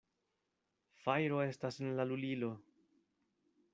Fajro estas en la lulilo!